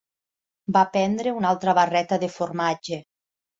Va prendre una altra barreta de formatge.